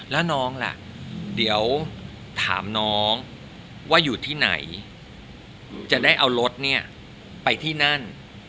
แล้วน้องล่ะเดี๋ยวถามน้องว่าอยู่ที่ไหนจะได้เอารถเนี่ยไปที่นั่น